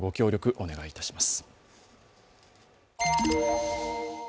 お願いいたします。